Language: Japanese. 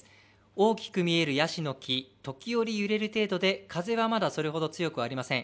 大きく見えるやしの木、時折揺れる程度で風はまだそれほど強くありません。